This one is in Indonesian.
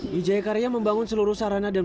wijaya karya membangun seluruh sentral